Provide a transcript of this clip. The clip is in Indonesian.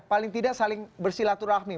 paling tidak saling bersilaturahmi